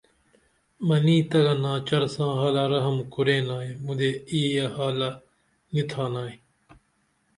منی تگہ ناچر ساں حالہ رحم کُرینائی مُدے اِی یہ حالہ نی تھانائی